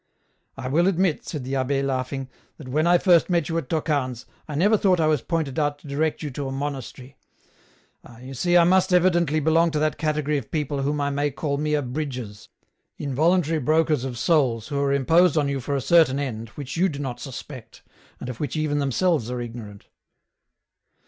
" I will admit," said the abbe, laughing, " that when I first met you at Tocane's, I never thought I was pointed out to direct you to a monastery ; ah, you see I must evidently belong to that category of people whom I may call mere bridges, involuntary brokers of souls who are im posed on you for a certain end which you do not suspect, and of which even themselves are ignorant."